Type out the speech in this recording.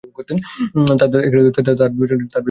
তার বিবেচনা।